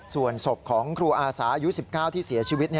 ส่วนศพของครูอาสาอายุ๑๙ที่เสียชีวิต